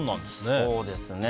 そうですね。